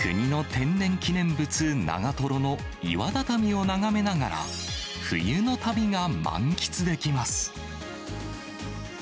国の天然記念物、長瀞の岩畳を眺めながら冬の旅が満喫できます。